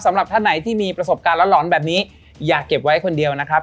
สำหรับท่านไหนที่มีประสบการณ์หลอนแบบนี้อย่าเก็บไว้คนเดียวนะครับ